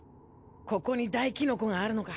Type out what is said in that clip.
ここにダイキノコがあるのか？